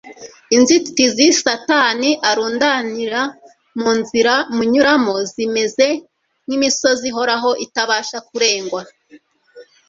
Inzitizi Satani arundariya mu nzira munyuramo zimeze nk'imisozi ihoraho itabasha kurengwa,